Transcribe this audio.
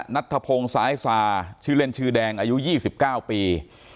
นัทธพงศ์สายสาชื่อเล่นชื่อแดงอายุยี่สิบเก้าปี